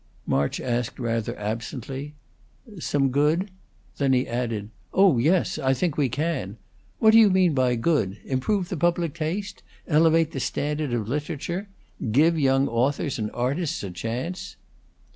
March asked rather absently, "Some good?" Then he added: "Oh yes; I think we can. What do you mean by good? Improve the public taste? Elevate the standard of literature? Give young authors and artists a chance?"